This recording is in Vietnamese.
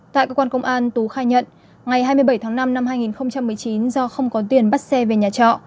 tại cơ quan công an tú khai nhận ngày hai mươi bảy tháng năm năm hai nghìn một mươi chín do không có tiền bắt xe về nhà trọ